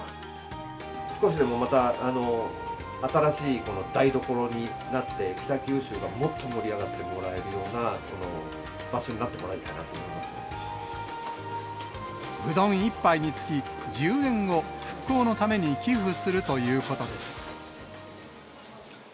少しでもまた、新しいこの台所になって、北九州がもっと盛り上がってもらえるような場所になってもらいたうどん１杯につき１０円を復興のために寄付するということです。